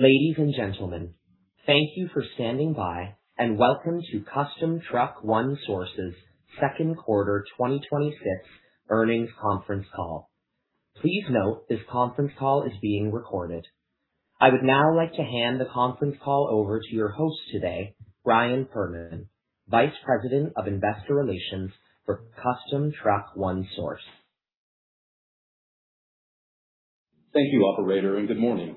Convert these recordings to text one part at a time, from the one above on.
Ladies and gentlemen, thank you for standing by and welcome to Custom Truck One Source's second quarter 2026 earnings conference call. Please note this conference call is being recorded. I would now like to hand the conference call over to your host today, Brian Perman, Vice President of Investor Relations for Custom Truck One Source. Thank you operator, and good morning.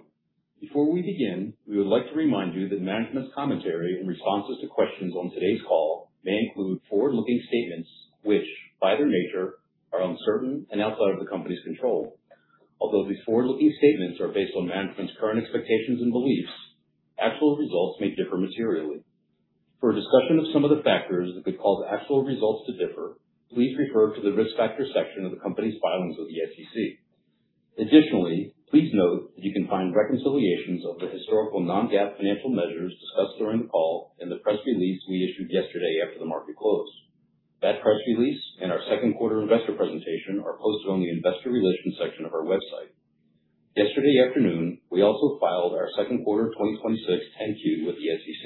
Before we begin, we would like to remind you that management's commentary and responses to questions on today's call may include forward-looking statements, which by their nature are uncertain and outside of the company's control. Although these forward-looking statements are based on management's current expectations and beliefs, actual results may differ materially. For a discussion of some of the factors that could cause actual results to differ, please refer to the risk factor section of the company's filings with the SEC. Additionally, please note that you can find reconciliations of the historical non-GAAP financial measures discussed during the call in the press release we issued yesterday after the market closed. That press release and our second quarter investor presentation are posted on the investor relations section of our website. Yesterday afternoon, we also filed our second quarter 2026 10-Q with the SEC.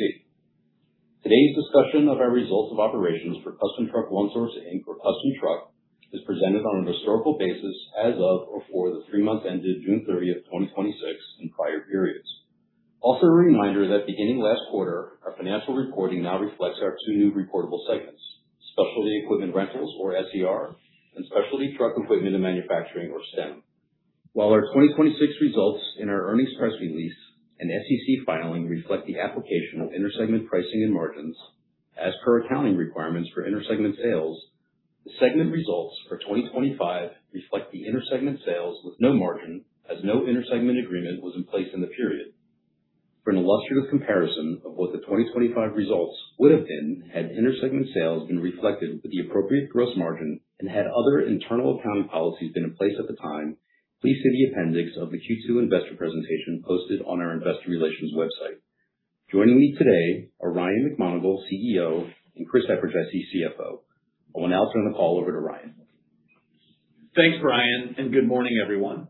Today's discussion of our results of operations for Custom Truck One Source, Inc., or Custom Truck, is presented on a historical basis as of or for the three months ended June 30th, 2026 and prior periods. A reminder that beginning last quarter, our financial reporting now reflects our two new reportable segments, Specialty Equipment Rentals or SER, and Specialty Truck Equipment and Manufacturing or STEM. While our 2026 results in our earnings press release and SEC filing reflect the application of inter-segment pricing and margins as per accounting requirements for inter-segment sales, the segment results for 2025 reflect the inter-segment sales with no margin as no inter-segment agreement was in place in the period. For an illustrative comparison of what the 2025 results would've been had inter-segment sales been reflected with the appropriate gross margin and had other internal accounting policies been in place at the time, please see the appendix of the Q2 investor presentation posted on our investor relations website. Joining me today are Ryan McMonagle, CEO, and Chris Eperjesy, CFO. I will now turn the call over to Ryan. Thanks Brian. Good morning everyone.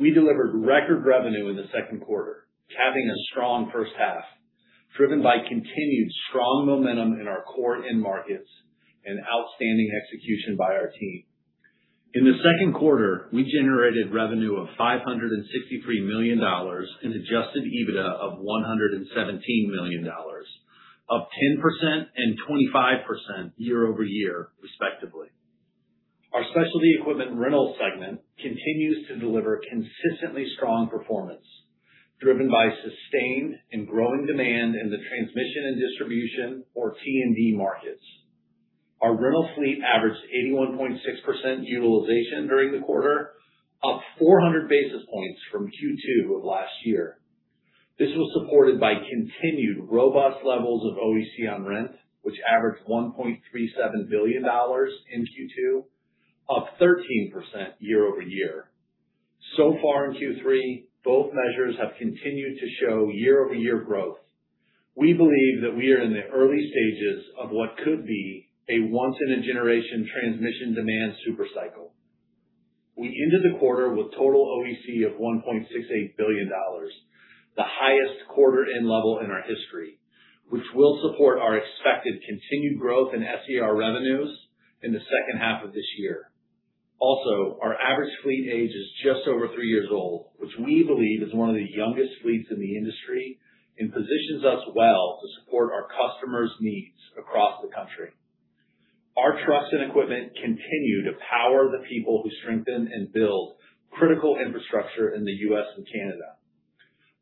We delivered record revenue in the second quarter, capping a strong first half, driven by continued strong momentum in our core end markets and outstanding execution by our team. In the second quarter, we generated revenue of $563 million in adjusted EBITDA of $117 million, up 10% and 25% year-over-year respectively. Our specialty equipment rental segment continues to deliver consistently strong performance, driven by sustained and growing demand in the Transmission and Distribution or T&D markets. Our rental fleet averaged 81.6% utilization during the quarter, up 400 basis points from Q2 of last year. This was supported by continued robust levels of OEC on rent, which averaged $1.37 billion in Q2, up 13% year-over-year. So far in Q3, both measures have continued to show year-over-year growth. We believe that we are in the early stages of what could be a once-in-a-generation transmission demand super cycle. We ended the quarter with total OEC of $1.68 billion, the highest quarter end level in our history, which will support our expected continued growth in SER revenues in the second half of this year. Our average fleet age is just over three years old, which we believe is one of the youngest fleets in the industry and positions us well to support our customers' needs across the country. Our trucks and equipment continue to power the people who strengthen and build critical infrastructure in the U.S. and Canada.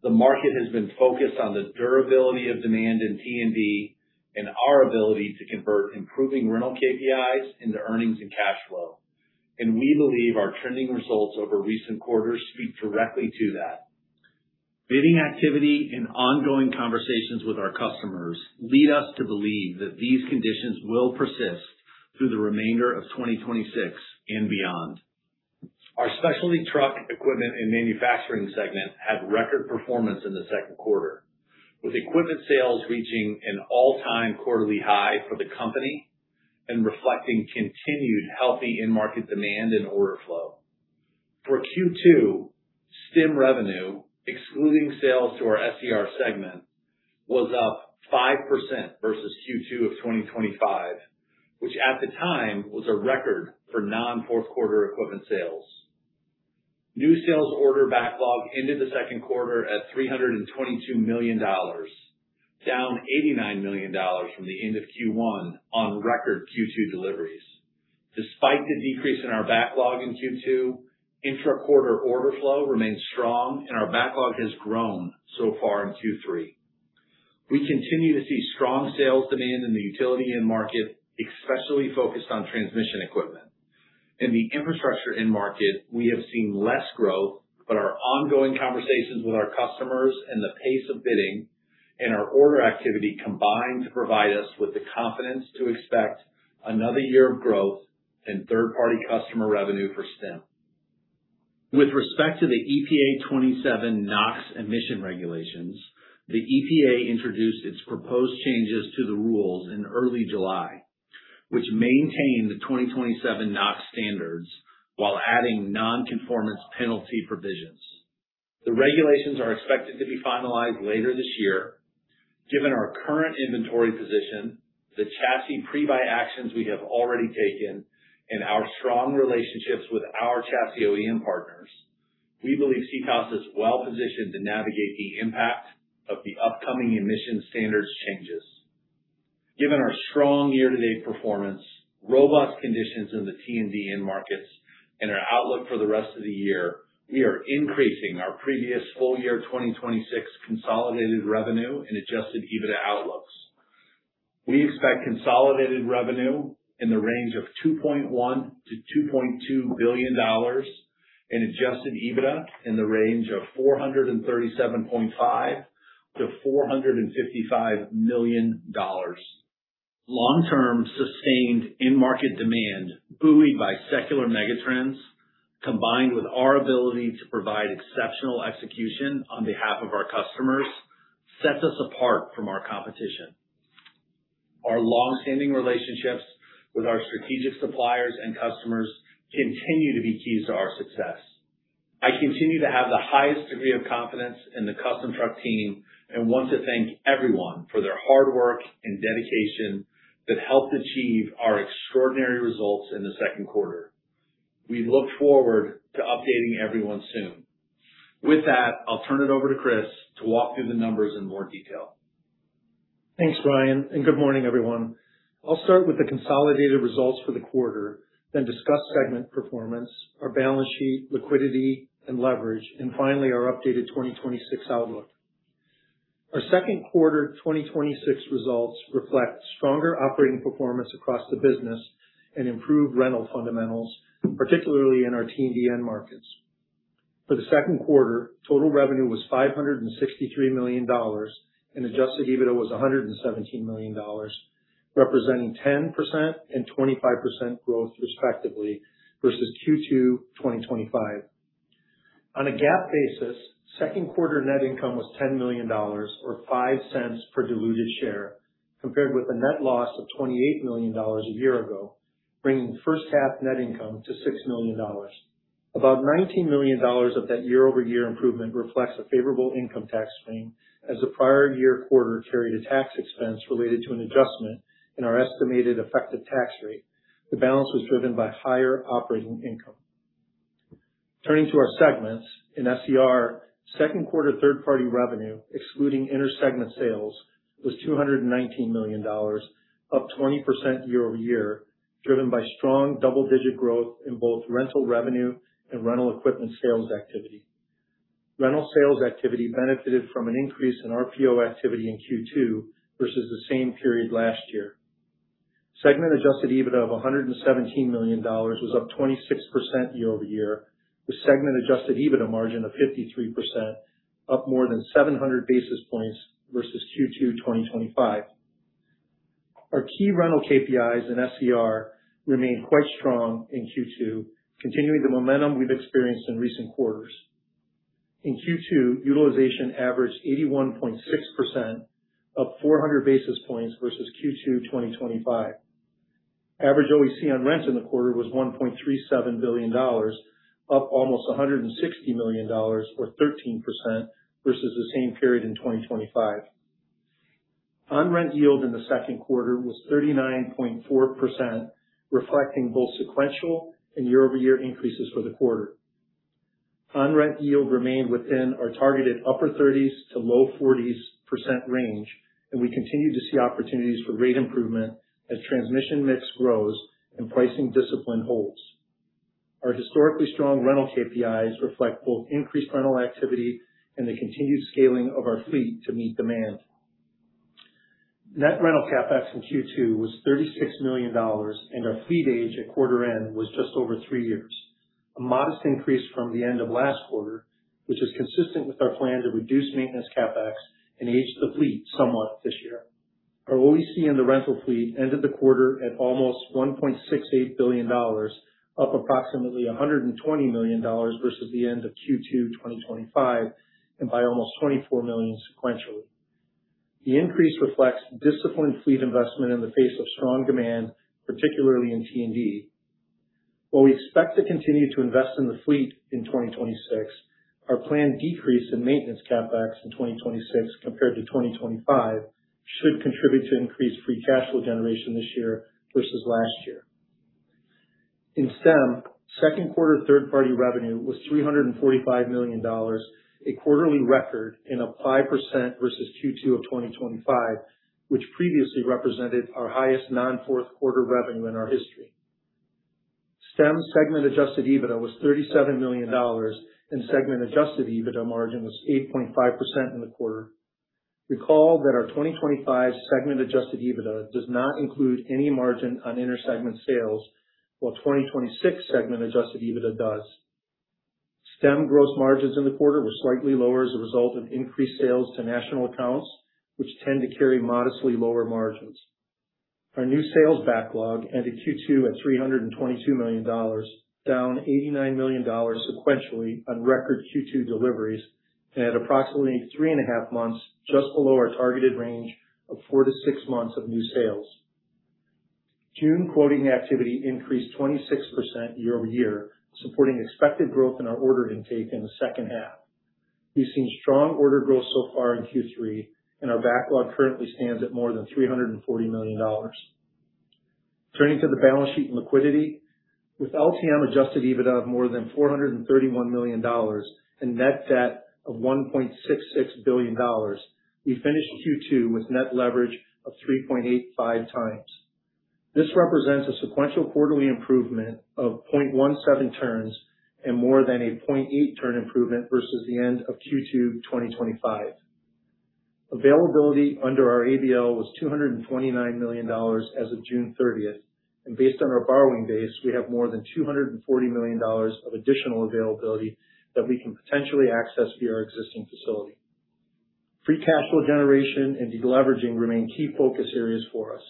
The market has been focused on the durability of demand in T&D and our ability to convert improving rental KPIs into earnings and cash flow. We believe our trending results over recent quarters speak directly to that. Bidding activity and ongoing conversations with our customers lead us to believe that these conditions will persist through the remainder of 2026 and beyond. Our specialty truck equipment and manufacturing segment had record performance in the second quarter, with equipment sales reaching an all-time quarterly high for the company and reflecting continued healthy end market demand and order flow. For Q2, STEM revenue, excluding sales to our SER segment, was up 5% versus Q2 of 2025, which at the time was a record for non-fourth quarter equipment sales. New sales order backlog ended the second quarter at $322 million, down $89 million from the end of Q1 on record Q2 deliveries. Despite the decrease in our backlog in Q2, intra-quarter order flow remains strong and our backlog has grown so far in Q3. We continue to see strong sales demand in the utility end market, especially focused on transmission equipment. In the infrastructure end market, our ongoing conversations with our customers and the pace of bidding and our order activity combine to provide us with the confidence to expect another year of growth in third-party customer revenue for STEM. With respect to the EPA 2027 NOx emission regulations, the EPA introduced its proposed changes to the rules in early July, which maintain the 2027 NOx standards while adding non-conformance penalty provisions. The regulations are expected to be finalized later this year. Given our current inventory position, the chassis pre-buy actions we have already taken, and our strong relationships with our chassis OEM partners, we believe CECO is well-positioned to navigate the impact of the upcoming emission standards changes. Given our strong year-to-date performance, robust conditions in the T&D markets, and our outlook for the rest of the year, we are increasing our previous full year 2026 consolidated revenue and adjusted EBITDA outlooks. We expect consolidated revenue in the range of $2.1 billion-$2.2 billion and adjusted EBITDA in the range of $437.5 million-$455 million. Long-term sustained end market demand, buoyed by secular megatrends, combined with our ability to provide exceptional execution on behalf of our customers, sets us apart from our competition. Our long-standing relationships with our strategic suppliers and customers continue to be keys to our success. I continue to have the highest degree of confidence in the Custom Truck team and want to thank everyone for their hard work and dedication that helped achieve our extraordinary results in the second quarter. We look forward to updating everyone soon. With that, I'll turn it over to Chris to walk through the numbers in more detail. Thanks, Ryan, and good morning, everyone. I'll start with the consolidated results for the quarter, then discuss segment performance, our balance sheet, liquidity, and leverage, and finally, our updated 2026 outlook. Our second quarter 2026 results reflect stronger operating performance across the business and improved rental fundamentals, particularly in our T&D markets. For the second quarter, total revenue was $563 million and adjusted EBITDA was $117 million, representing 10% and 25% growth, respectively, versus Q2 2025. On a GAAP basis, second quarter net income was $10 million, or $0.05 per diluted share, compared with a net loss of $28 million a year ago, bringing first half net income to $6 million. About $19 million of that year-over-year improvement reflects a favorable income tax rate as the prior year quarter carried a tax expense related to an adjustment in our estimated effective tax rate. The balance was driven by higher operating income. Turning to our segments. In SER, second quarter third-party revenue, excluding inter-segment sales, was $219 million, up 20% year-over-year, driven by strong double-digit growth in both rental revenue and rental equipment sales activity. Rental sales activity benefited from an increase in RPO activity in Q2 versus the same period last year. Segment adjusted EBITDA of $117 million was up 26% year-over-year, with segment adjusted EBITDA margin of 53%, up more than 700 basis points versus Q2 2025. Our key rental KPIs in SER remained quite strong in Q2, continuing the momentum we've experienced in recent quarters. In Q2, utilization averaged 81.6%, up 400 basis points versus Q2 2025. Average OEC on rent in the quarter was $1.37 billion, up almost $160 million, or 13%, versus the same period in 2025. On rent yield in the second quarter was 39.4%, reflecting both sequential and year-over-year increases for the quarter. Our rent yield remained within our targeted upper 30s to low 40s% range, and we continue to see opportunities for rate improvement as transmission mix grows and pricing discipline holds. Our historically strong rental KPIs reflect both increased rental activity and the continued scaling of our fleet to meet demand. Net rental CapEx in Q2 was $36 million, and our fleet age at quarter end was just over three years. A modest increase from the end of last quarter, which is consistent with our plan to reduce maintenance CapEx and age the fleet somewhat this year. Our OEC in the rental fleet ended the quarter at almost $1.68 billion, up approximately $120 million versus the end of Q2 2025, and by almost $24 million sequentially. The increase reflects disciplined fleet investment in the face of strong demand, particularly in T&D. While we expect to continue to invest in the fleet in 2026, our planned decrease in maintenance CapEx in 2026 compared to 2025 should contribute to increased free cash flow generation this year versus last year. In STEM, second quarter third-party revenue was $345 million, a quarterly record and up 5% versus Q2 of 2025, which previously represented our highest non-fourth quarter revenue in our history. STEM segment adjusted EBITDA was $37 million, and segment adjusted EBITDA margin was 8.5% in the quarter. Recall that our 2025 segment adjusted EBITDA does not include any margin on inter-segment sales, while 2026 segment adjusted EBITDA does. STEM gross margins in the quarter were slightly lower as a result of increased sales to national accounts, which tend to carry modestly lower margins. Our new sales backlog ended Q2 at $322 million, down $89 million sequentially on record Q2 deliveries. At approximately three and a half months, just below our targeted range of four to six months of new sales. June quoting activity increased 26% year-over-year, supporting expected growth in our order intake in the second half. We've seen strong order growth so far in Q3, and our backlog currently stands at more than $340 million. Turning to the balance sheet and liquidity. With LTM adjusted EBITDA of more than $431 million and net debt of $1.66 billion, we finished Q2 with net leverage of 3.85x. This represents a sequential quarterly improvement of 0.17 turns and more than a 0.8 turn improvement versus the end of Q2 2025. Availability under our ABL was $229 million as of June 30th, and based on our borrowing base, we have more than $240 million of additional availability that we can potentially access via our existing facility. Free cash flow generation and de-leveraging remain key focus areas for us.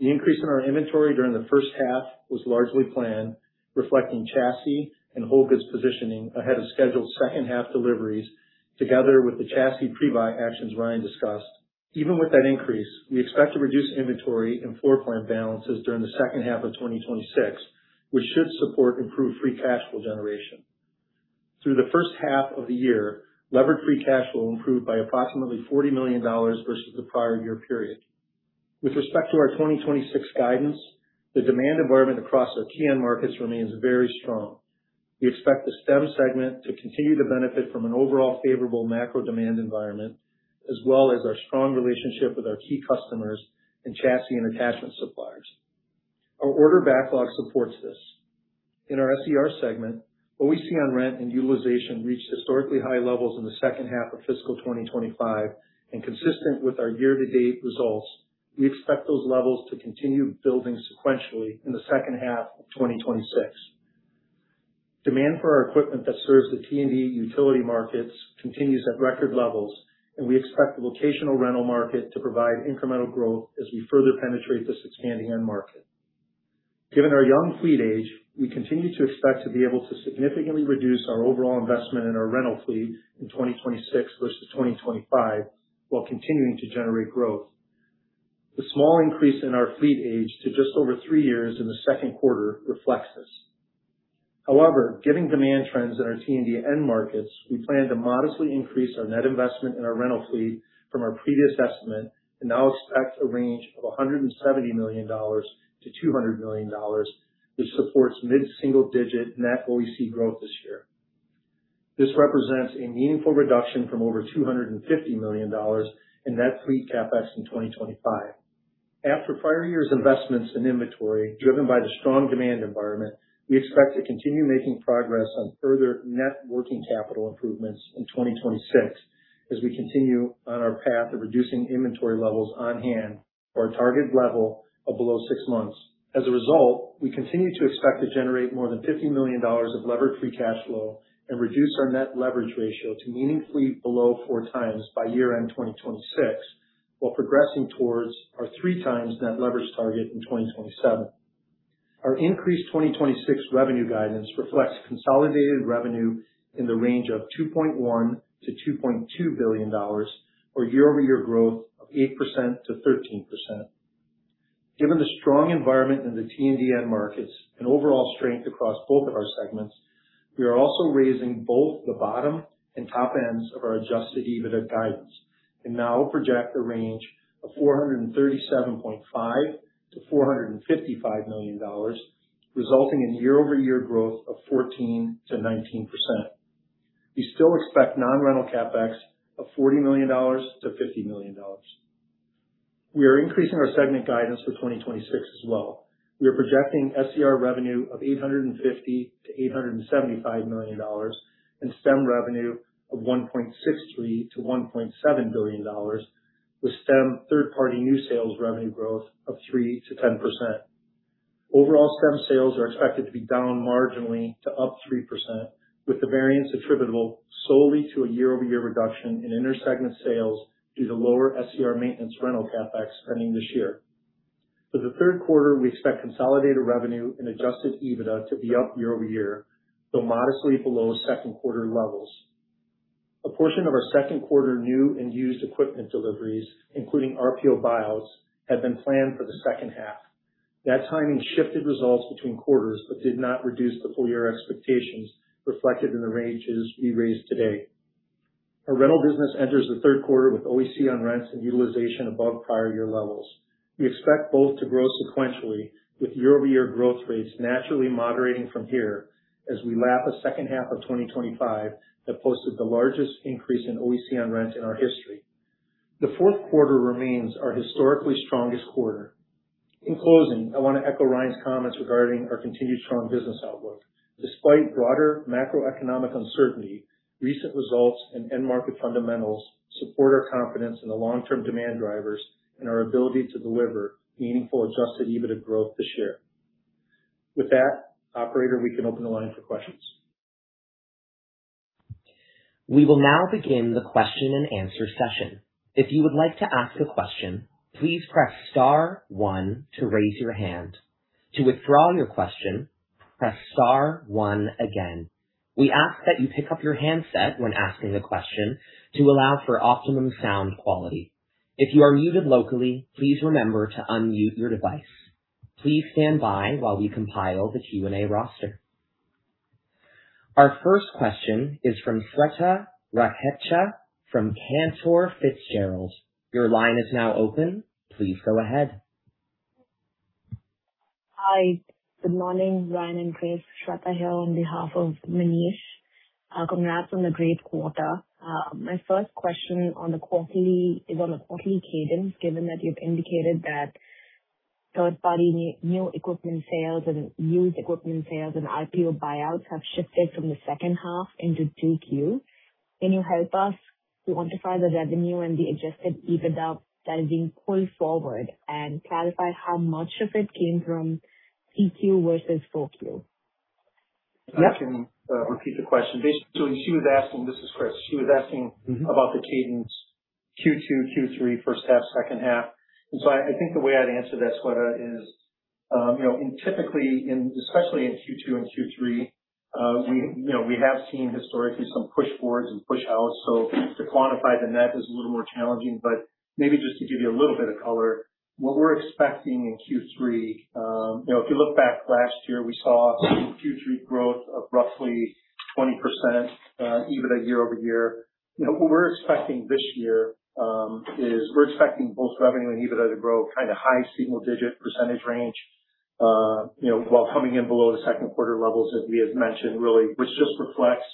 The increase in our inventory during the first half was largely planned, reflecting chassis and whole goods positioning ahead of scheduled second half deliveries, together with the chassis pre-buy actions Ryan discussed. Even with that increase, we expect to reduce inventory and floor plan balances during the second half of 2026, which should support improved free cash flow generation. Through the first half of the year, levered free cash flow improved by approximately $40 million versus the prior year period. With respect to our 2026 guidance, the demand environment across our key end markets remains very strong. We expect the STEM segment to continue to benefit from an overall favorable macro demand environment, as well as our strong relationship with our key customers and chassis and attachment suppliers. Our order backlog supports this. In our SER segment, what we see on rent and utilization reached historically high levels in the second half of fiscal 2025, and consistent with our year-to-date results, we expect those levels to continue building sequentially in the second half of 2026. Demand for our equipment that serves the T&D utility markets continues at record levels, and we expect the locational rental market to provide incremental growth as we further penetrate this expanding end market. Given our young fleet age, we continue to expect to be able to significantly reduce our overall investment in our rental fleet in 2026 versus 2025 while continuing to generate growth. The small increase in our fleet age to just over three years in the second quarter reflects this. Given demand trends in our T&D end markets, we plan to modestly increase our net investment in our rental fleet from our previous estimate and now expect a range of $170 million-$200 million, which supports mid-single-digit net OEC growth this year. This represents a meaningful reduction from over $250 million in net fleet CapEx in 2025. After prior years investments in inventory driven by the strong demand environment, we expect to continue making progress on further net working capital improvements in 2026 as we continue on our path of reducing inventory levels on hand for a target level of below six months. We continue to expect to generate more than $50 million of levered free cash flow and reduce our net leverage ratio to meaningfully below four times by year-end 2026 while progressing towards our three times net leverage target in 2027. Our increased 2026 revenue guidance reflects consolidated revenue in the range of $2.1 billion-$2.2 billion, or year-over-year growth of 8%-13%. The strong environment in the T&D end markets and overall strength across both of our segments, we are also raising both the bottom and top ends of our adjusted EBITDA guidance and now project a range of $437.5 million-$455 million, resulting in year-over-year growth of 14%-19%. We still expect non-rental CapEx of $40 million-$50 million. We are increasing our segment guidance for 2026 as well. We are projecting SER revenue of $850 million-$875 million and STEM revenue of $1.63 billion-$1.7 billion, with STEM third-party new sales revenue growth of 3%-10%. Overall STEM sales are expected to be down marginally to up 3%, with the variance attributable solely to a year-over-year reduction in inter-segment sales due to lower SER maintenance rental CapEx spending this year. For the third quarter, we expect consolidated revenue and adjusted EBITDA to be up year-over-year, though modestly below second quarter levels. A portion of our second quarter new and used equipment deliveries, including RPO buyouts, had been planned for the second half. That timing shifted results between quarters but did not reduce the full year expectations reflected in the ranges we raised today. Our rental business enters the third quarter with OEC on rents and utilization above prior year levels. We expect both to grow sequentially, with year-over-year growth rates naturally moderating from here as we lap a second half of 2025 that posted the largest increase in OEC on rents in our history. The fourth quarter remains our historically strongest quarter. In closing, I want to echo Ryan's comments regarding our continued strong business outlook. Despite broader macroeconomic uncertainty, recent results and end market fundamentals support our confidence in the long-term demand drivers and our ability to deliver meaningful adjusted EBITDA growth this year. With that, operator, we can open the line for questions. We will now begin the question and answer session. If you would like to ask a question, please press star one to raise your hand. To withdraw your question, press star one again. We ask that you pick up your handset when asking a question to allow for optimum sound quality. If you are muted locally, please remember to unmute your device. Please stand by while we compile the Q&A roster. Our first question is from Swetha Rakhecha from Cantor Fitzgerald. Your line is now open. Please go ahead. Hi. Good morning, Ryan and Chris. Shwetha here on behalf of Manish. Congrats on the great quarter. My first question is on the quarterly cadence, given that you've indicated that third-party new equipment sales and used equipment sales and RPO buyouts have shifted from the second half into 2Q. Can you help us quantify the revenue and the adjusted EBITDA that is being pulled forward and clarify how much of it came from 2Q versus 4Q? I can repeat the question. Basically, she was asking, this is Chris, she was asking about the cadence Q2, Q3, first half, second half. I think the way I'd answer that, Swetha, is typically, especially in Q2 and Q3, we have seen historically some push-forwards and push-outs, so to quantify the net is a little more challenging, but maybe just to give you a little bit of color, what we're expecting in Q3. If you look back last year, we saw Q3 growth of roughly 20% EBITDA year-over-year. What we're expecting this year is we're expecting both revenue and EBITDA to grow high single-digit percentage range, while coming in below the second quarter levels, as we have mentioned, which just reflects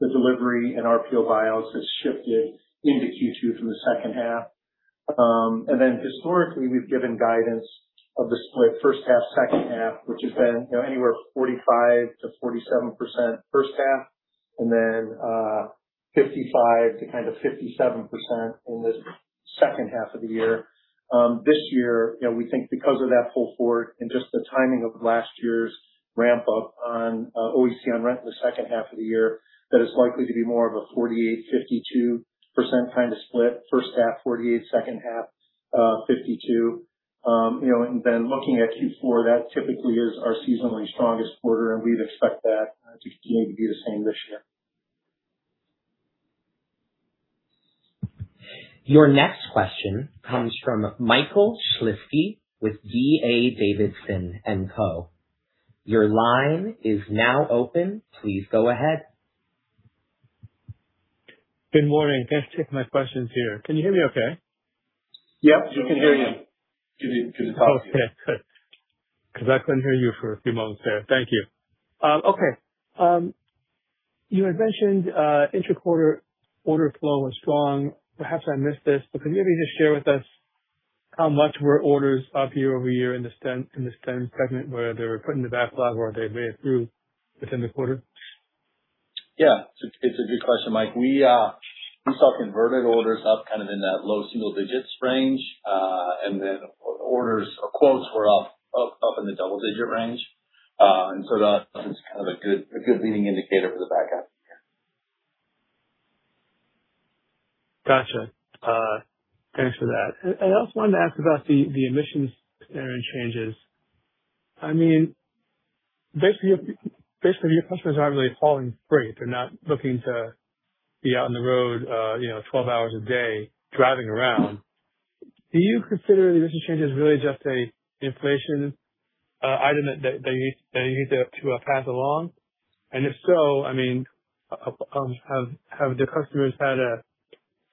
the delivery and RPO buyouts has shifted into Q2 from the second half. Historically, we've given guidance of the split first half, second half, which has been anywhere 45%-47% first half and then 55%-57% in the second half of the year. This year, we think because of that pull forward and just the timing of last year's ramp up on OEC on rent in the second half of the year, that it's likely to be more of a 48%, 52% split. First half 48%, second half 52%. Looking at Q4, that typically is our seasonally strongest quarter, and we'd expect that to continue to do the same this year. Your next question comes from Michael Shlisky with D.A. Davidson & Co. Your line is now open. Please go ahead. Good morning. Going to check my questions here. Can you hear me okay? Yep, we can hear you. We can hear you. Can you talk? Okay, good. Because I couldn't hear you for a few moments there. Thank you. Okay. You had mentioned intra-quarter order flow was strong. Perhaps I missed this, but can you maybe just share with us how much were orders up year-over-year in the SER segment, whether put in the backlog or they made it through within the quarter? Yeah. It's a good question, Mike. We saw converted orders up in that low single digits range, and then orders or quotes were up in the double-digit range. That is a good leading indicator for the backlog. Got you. Thanks for that. I also wanted to ask about the emissions standard changes. Basically, your customers aren't really hauling freight. They're not looking to be out on the road 12 hours a day driving around. Do you consider the emissions changes really just an inflation item that you need to pass along?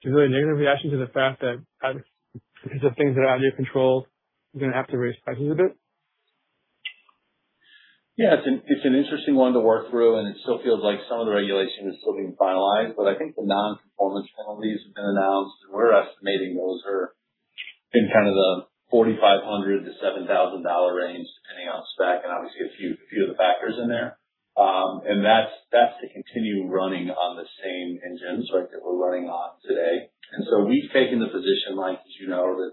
If so, have the customers had a really negative reaction to the fact that because of things that are out of your control, you're going to have to raise prices a bit? Yeah. It's an interesting one to work through. It still feels like some of the regulation is still being finalized. I think the non-performance penalties have been announced. We're estimating those are in the $4,500-$7,000 range, depending on spec, obviously a few other factors in there. That's to continue running on the same engines that we're running on today. We've taken the position, Mike, as you know, that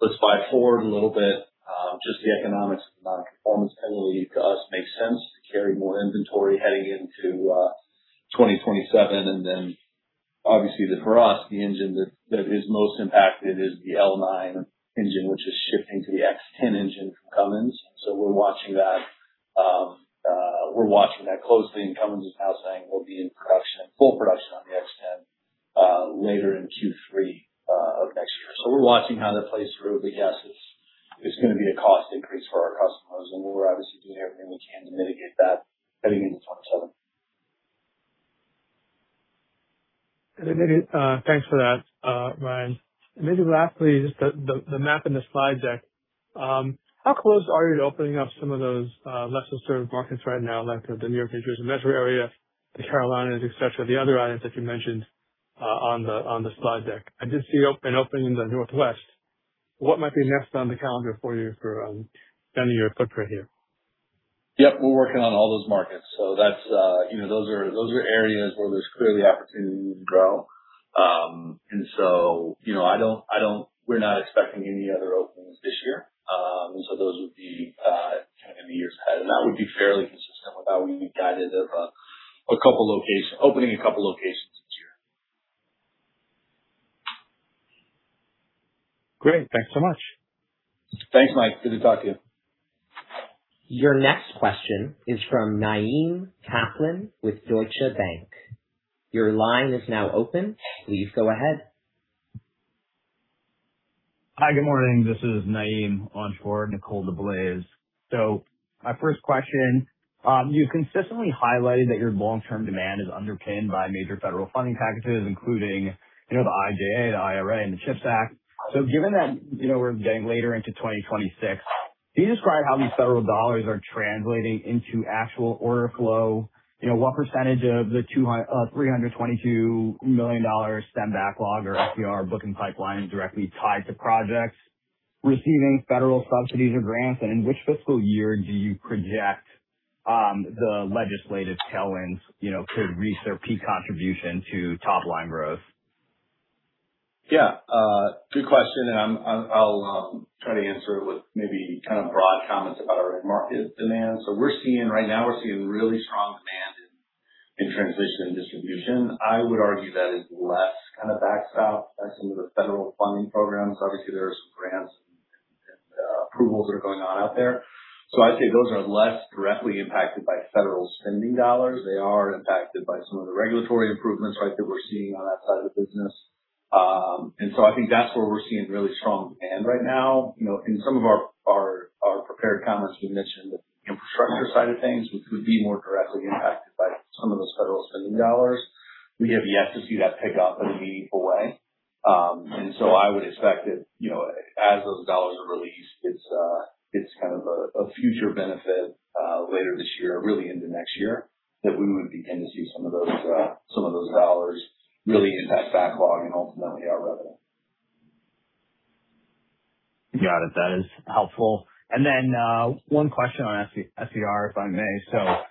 let's buy forward a little bit. Just the economics of the non-performance penalty to us makes sense to carry more inventory heading into 2027. Obviously for us, the engine that is most impacted is the L9 engine, which is shifting to the X10 engine from Cummins. We're watching that closely. Cummins is now saying we'll be in full production on the X10 later in Q3 of next year. We're watching how that plays through. Yes, it's going to be a cost increase for our customers. We're obviously doing everything we can to mitigate that heading into 2027. Thanks for that, Ryan. Maybe lastly, just the map in the slide deck. How close are you to opening up some of those lesser served markets right now, like the New York/New Jersey metro area, the Carolinas, et cetera, the other items that you mentioned on the slide deck. I did see an opening in the Northwest. What might be next on the calendar for you for expanding your footprint here? Yep. We're working on all those markets. Those are areas where there's clearly opportunity to grow. We're not expecting any other openings this year. Those would be in the years ahead, and that would be fairly consistent with how we guided of opening a couple locations. Great. Thanks so much. Thanks, Mike. Good to talk to you. Your next question is Naim Kaplan with Deutsche Bank. Your line is now open. Please go ahead. Hi, good morning. This is Naim, on for Nicole DeBlase. My first question, you've consistently highlighted that your long-term demand is underpinned by major federal funding packages, including the IIJA, the IRA, and the CHIPS Act. Given that we're getting later into 2026, can you describe how these federal dollars are translating into actual order flow? What percentage of the $322 million spend backlog or SPR booking pipeline is directly tied to projects receiving federal subsidies or grants? In which fiscal year do you project the legislative tailwinds could reach their peak contribution to top-line growth? Good question. I will try to answer it with maybe kind of broad comments about our end market demand. Right now we are seeing really strong demand in Transmission and Distribution. I would argue that is less kind of backstop by some of the federal funding programs. Obviously, there are some grants and approvals that are going on out there. I would say those are less directly impacted by federal spending dollars. They are impacted by some of the regulatory improvements, right, that we are seeing on that side of the business. I think that is where we are seeing really strong demand right now. In some of our prepared comments, we mentioned the infrastructure side of things, which would be more directly impacted by some of those federal spending dollars. We have yet to see that pick up in a meaningful way. I would expect that as those dollars are released, it is kind of a future benefit, later this year, really into next year, that we would begin to see some of those dollars really impact backlog and ultimately our revenue. Got it. That is helpful. One question on SER, if I may. SER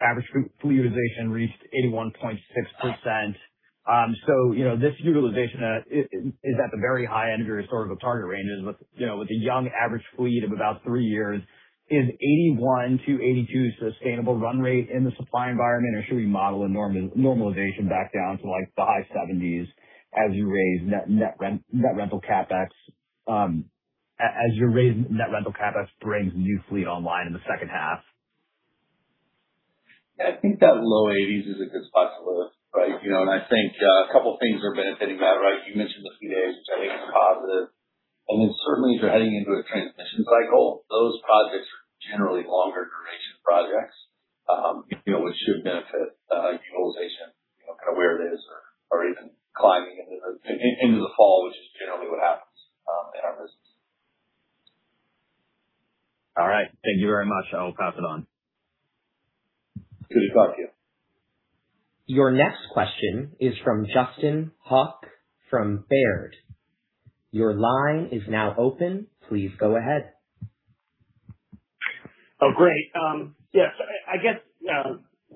average fleet utilization reached 81.6%. This utilization is at the very high end of your sort of target ranges, with a young average fleet of about three years. Is 81-82 sustainable run rate in the supply environment, or should we model a normalization back down to the high 70s as you raise net rental CapEx brings new fleet online in the second half? I think that low 80s is a good spot to live. Right? I think a couple of things are benefiting that, right? You mentioned the fleet age, which I think is positive. Certainly as you are heading into a transmission cycle, those projects are generally longer duration projects which should benefit utilization, kind of where it is or even climbing into the fall, which is generally what happens in our business. All right. Thank you very much. I will pass it on. Good to talk to you. Your next question is from Justin Hauke from Baird. Your line is now open. Please go ahead. Oh, great. Yeah, I guess,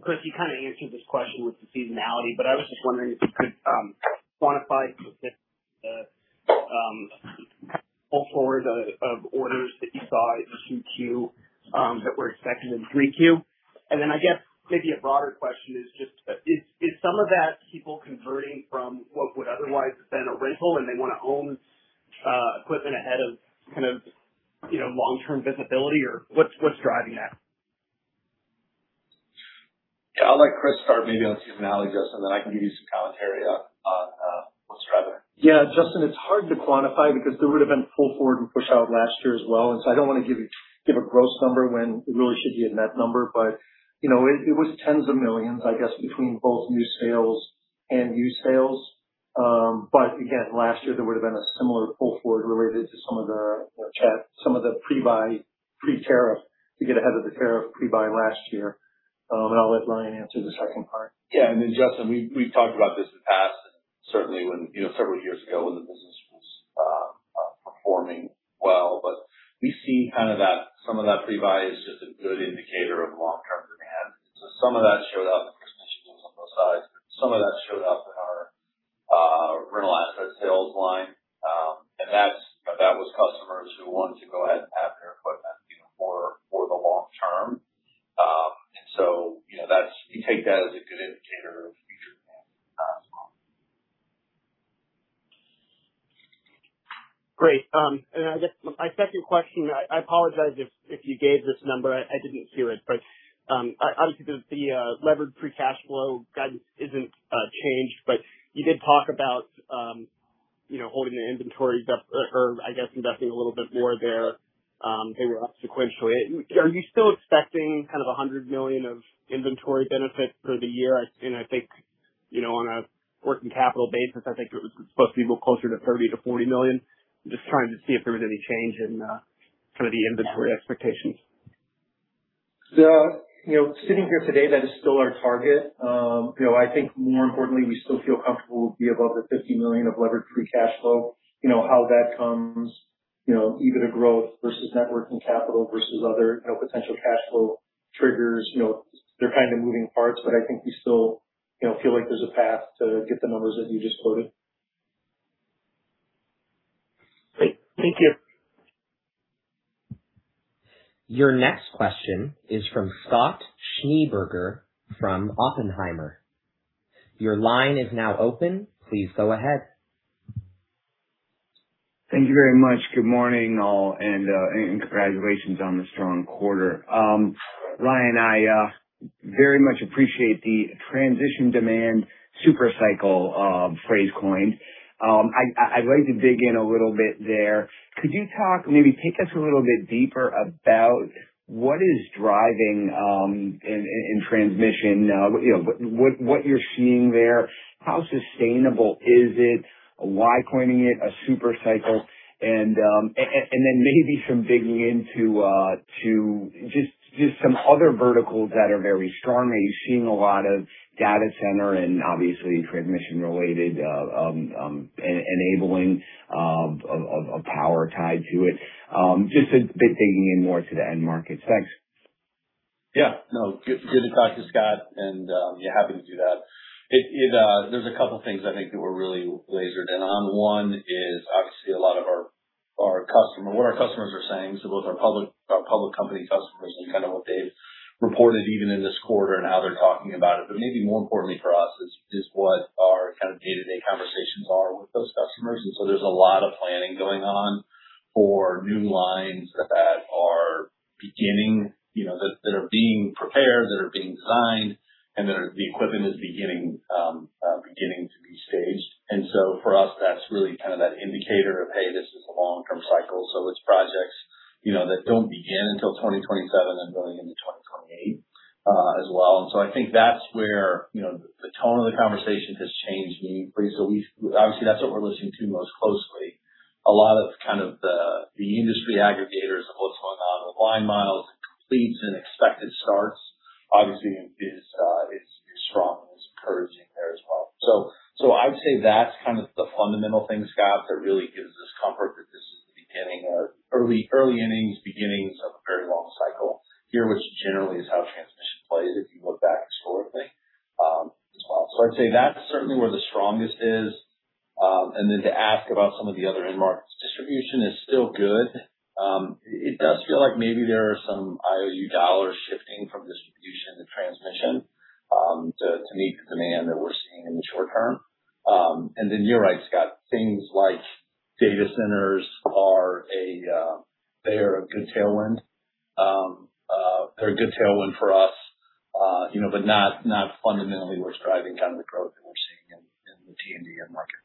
Chris, you kind of answered this question with the seasonality, but I was just wondering if you could quantify specific pull forward of orders that you saw in Q2 that were expected in Q3. I guess maybe a broader question is just, is some of that people converting from what would otherwise have been a rental and they want to own equipment ahead of long-term visibility or what's driving that? Yeah. I'll let Chris start maybe on seasonality, Justin, then I can give you some commentary on what's driving. Yeah. Justin, it's hard to quantify because there would've been pull forward and pushout last year as well. I don't want to give a gross number when it really should be a net number. It was tens of millions, I guess, between both new sales and used sales. Again, last year there would've been a similar pull forward related to some of the pre-buy pre-tariff to get ahead of the tariff pre-buy last year. I'll let Ryan answer the second part. Yeah. Justin, we've talked about this in the past, certainly when several years ago when the business was performing well, we see kind of that some of that pre-buy is just a good indicator of long-term demand. Some of that showed up in transmissions on those sides. Some of that showed up in our rental asset sales line. That was customers who wanted to go ahead and have their equipment for the long term. We take that as a good indicator of future demand. Great. I guess my second question, I apologize if you gave this number, I didn't hear it, obviously the levered free cash flow guidance isn't changed, you did talk about holding the inventory or I guess investing a little bit more there sequentially. Are you still expecting kind of $100 million of inventory benefit for the year? I think on a working capital basis, I think it was supposed to be a little closer to $30 million-$40 million. I'm just trying to see if there was any change in sort of the inventory expectations. Sitting here today, that is still our target. I think more importantly, we still feel comfortable we'll be above the $50 million of levered free cash flow. How that comes, either the growth versus net working capital versus other potential cash flow triggers, they're kind of moving parts, but I think we still feel like there's a path to get the numbers that you just quoted. Great. Thank you. Your next question is from Scott Schneeberger from Oppenheimer. Your line is now open. Please go ahead. Thank you very much. Good morning, all, and congratulations on the strong quarter. Ryan, I very much appreciate the transition demand super cycle phrase coined. I'd like to dig in a little bit there. Could you maybe take us a little bit deeper about what is driving in transmission? What you're seeing there, how sustainable is it, why coining it a super cycle? Maybe some digging into just some other verticals that are very strong. Maybe you're seeing a lot of data center and obviously transmission-related enabling of power tied to it. Just a bit digging in more to the end markets. Thanks. Good to talk to you, Scott, and happy to do that. There's a couple things I think that we're really lasered in on. One is obviously a lot of what our customers are saying. Both our public company customers and kind of what they've reported even in this quarter and how they're talking about it. Maybe more importantly for us is what our kind of day-to-day conversations are with those customers. There's a lot of planning going on for new lines that are beginning, that are being prepared, that are being designed, and the equipment is beginning to be staged. For us, that's really kind of that indicator of, hey, this is a long-term cycle. It's projects that don't begin until 2027 and going into 2028 as well. I think that's where the tone of the conversation has changed maybe. Obviously that's what we're listening to most closely. A lot of kind of the industry aggregators of what's going on with line miles, completes and expected starts obviously is strong and is encouraging there as well. I would say that's kind of the fundamental thing, Scott, that really gives us comfort that this is the beginning or early innings, beginnings of a very long cycle here, which generally is how transmission plays if you look back historically as well. I'd say that's certainly where the strongest is. To ask about some of the other end markets, distribution is still good. It does feel like maybe there are some IOU dollars shifting from distribution to transmission to meet the demand that we're seeing in the short term. You're right, Scott, things like data centers, they are a good tailwind. They're a good tailwind for us but not fundamentally what's driving kind of the growth that we're seeing in the T&D end market.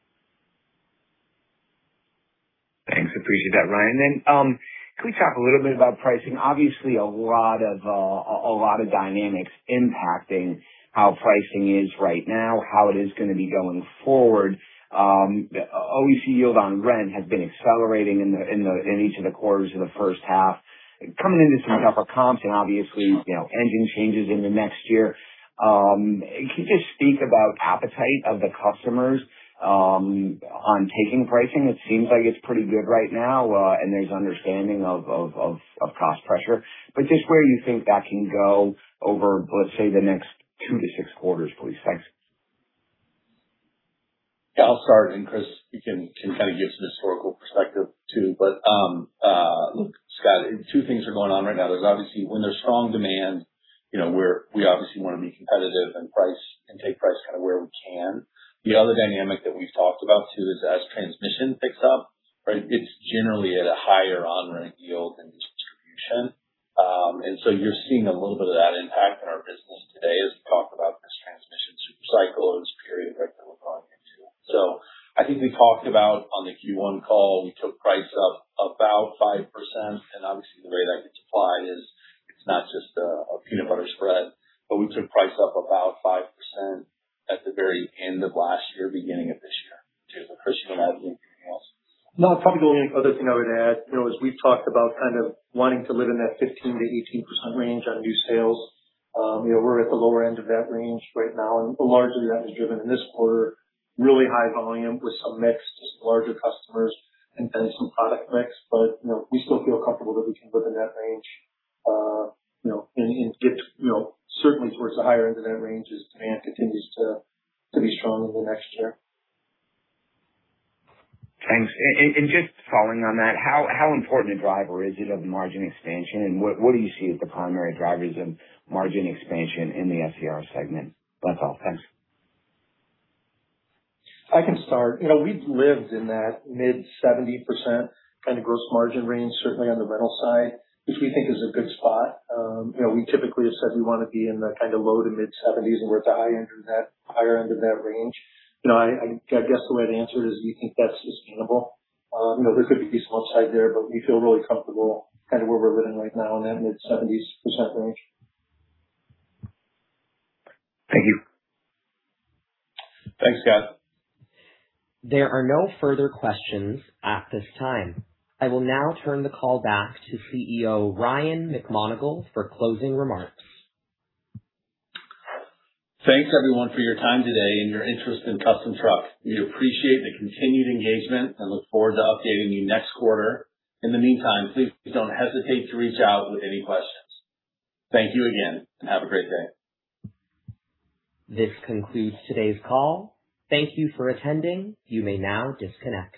Thanks. Appreciate that, Ryan. Can we talk a little bit about pricing? Obviously a lot of dynamics impacting how pricing is right now, how it is going to be going forward. OEC yield on rent has been accelerating in each of the quarters of the first half. Coming into some tougher comps and obviously engine changes in the next year. Can you just speak about appetite of the customers on taking pricing? It seems like it's pretty good right now and there's understanding of cost pressure, but just where you think that can go over, let's say, the next two to six quarters, please. Thanks. I'll start and Chris can kind of give some historical perspective, too. Look, Scott, two things are going on right now. There's obviously when there's strong demand, we obviously want to be competitive and take price kind of where we can. The other dynamic that we've talked about, too, is as transmission picks up, it's generally at a higher on-rent yield than distribution. You're seeing a little bit of that impact in our business today as we talk about this transmission super cycle and this period that we're going into. I think we talked about on the Q1 call, we took price up about 5%. Obviously the way that gets applied is it's not just a peanut butter spread, but we took price up about 5% at the very end of last year, beginning of this year. Chris, do you want to add anything else? No, probably the only other thing I would add is we've talked about kind of wanting to live in that 15%-18% range on new sales. We're at the lower end of that range right now, largely that is driven in this quarter, really high volume with some mix, some larger customers and then some product mix. We still feel comfortable that we can live in that range and get certainly towards the higher end of that range as demand continues to be strong in the next year. Thanks. Just following on that, how important a driver is it of margin expansion and what do you see as the primary drivers of margin expansion in the SER segment? That's all. Thanks. I can start. We've lived in that mid-70% kind of gross margin range, certainly on the rental side, which we think is a good spot. We typically have said we want to be in the kind of low- to mid-70s and we're at the higher end of that range. I guess the way I'd answer it is we think that's sustainable. There could be some upside there, but we feel really comfortable kind of where we're living right now in that mid-70% range. Thank you. Thanks, Scott. There are no further questions at this time. I will now turn the call back to CEO Ryan McMonagle for closing remarks. Thanks, everyone, for your time today and your interest in Custom Truck. We appreciate the continued engagement and look forward to updating you next quarter. In the meantime, please don't hesitate to reach out with any questions. Thank you again and have a great day. This concludes today's call. Thank you for attending. You may now disconnect.